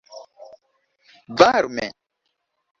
varme